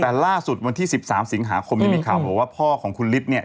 แต่ล่าสุดวันที่๑๓สิงหาคมนี้มีข่าวบอกว่าพ่อของคุณฤทธิ์เนี่ย